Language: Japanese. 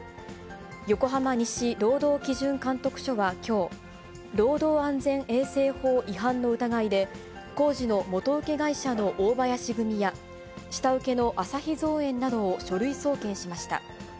横浜西労働基準監督署はきょう、労働安全衛生法違反の疑いで、工事の元請け会社の大林組や、下請けの朝日造園などを書類送検しました。